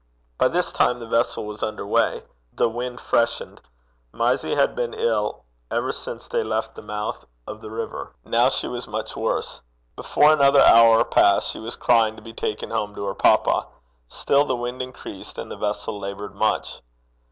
By this time the vessel was under way. The wind freshened. Mysie had been ill ever since they left the mouth of the river: now she was much worse. Before another hour passed, she was crying to be taken home to her papa. Still the wind increased, and the vessel laboured much.